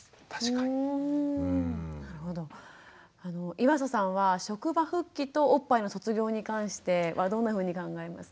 岩佐さんは職場復帰とおっぱいの卒業に関してはどんなふうに考えますか？